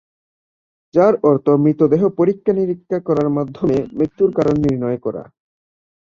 যার অর্থ মৃতদেহ পরীক্ষা-নিরীক্ষার করার মাধ্যমে মৃত্যুর কারণ নির্ণয় করা।